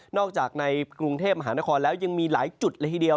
จากในกรุงเทพมหานครแล้วยังมีหลายจุดเลยทีเดียว